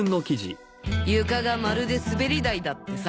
床がまるで滑り台だってさ。